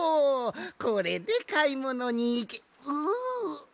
これでかいものにいけウウッ！